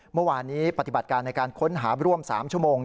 เมื่อวานนี้ปฏิบัติการในการค้นหาร่วม๓ชั่วโมง